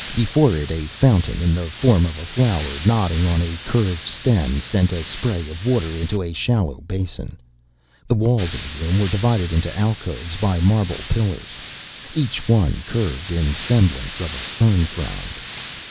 Before it, a fountain, in the form of a flower nodding on a curved stem, sent a spray of water into a shallow basin. The walls of the room were divided into alcoves by marble pillars, each one curved in semblance of a fern frond.